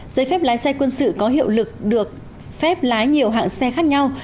giấy phép lái xe quân sự có hiệu lực được phép lái nhiều hạng xe khác nhau